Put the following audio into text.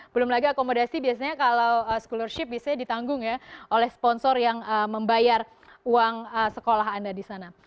belum lagi akomodasi biasanya kalau scholarship biasanya ditanggung ya oleh sponsor yang membayar uang sekolah anda di sana